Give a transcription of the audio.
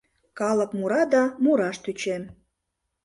Калык мура да, мураш тӧчем